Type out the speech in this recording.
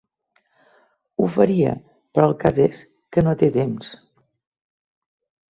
Ho faria, però el cas és que no té temps.